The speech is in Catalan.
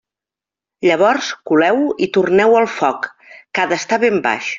Llavors coleu-ho i torneu-ho al foc, que ha d'estar ben baix.